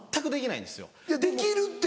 いやできるって。